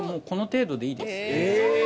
この程度でいいです。